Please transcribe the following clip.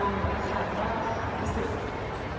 ขอบคุณครับ